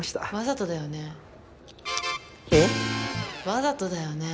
わざとだよね？